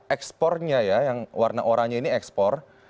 ekspornya ya yang warna oranye ini ekspor